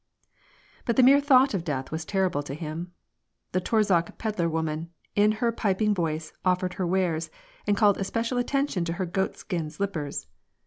But the mere thought of death was terrible to him. The Torzhok pedlar woman, in her piping voice, offered her wares^ and called especial attention to her goatskin slip pers.